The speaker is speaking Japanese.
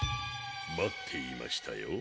待っていましたよ。